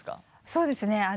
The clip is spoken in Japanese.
そうですね